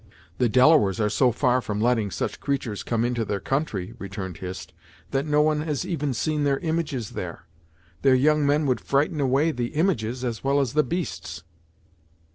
"The Delawares are so far from letting such creatures come into their country," returned Hist, "that no one has even seen their images there! Their young men would frighten away the images as well as the beasts."